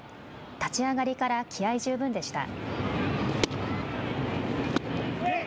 立ち上がりから気合い十分でした。